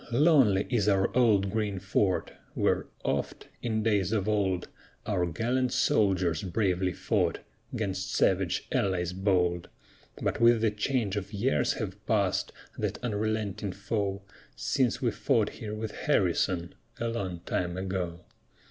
lonely is our old green fort, Where oft, in days of old, Our gallant soldiers bravely fought 'Gainst savage allies bold; But with the change of years have pass'd That unrelenting foe, Since we fought here with Harrison, A long time ago.